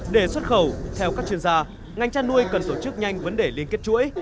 để xuất khẩu theo các chuyên gia ngành chăn nuôi cần tổ chức nhanh vấn đề liên kết chuỗi